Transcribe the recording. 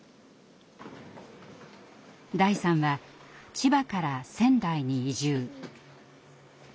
大さんは千葉から仙台に移住。